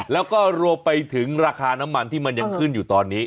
แล้วก็รวมไปถึงราคาน้ำมันที่มันยังขึ้นอยู่ตอนนี้